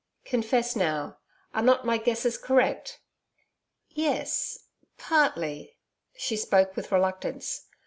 Confess now ... are not my guesses correct?' 'Yes partly.' She spoke with reluctance.